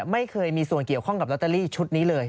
ไม่เคยมีส่วนเกี่ยวข้องกับลอตเตอรี่ชุดนี้เลย